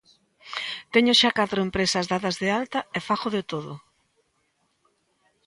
Teño xa catro empresas dadas de alta e fago de todo.